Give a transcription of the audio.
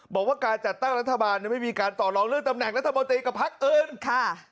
บอกว่าการจัดตั้งรัฐบาลไม่มีการต่อรองเรื่องตำแหน่งรัฐมนตรีกับพักอื่นค่ะ